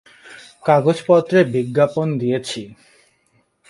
কাগজপত্রে বিজ্ঞাপন দিয়েছি।